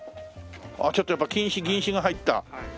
ちょっとやっぱ金糸銀糸が入った。